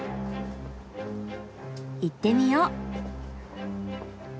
行ってみよう。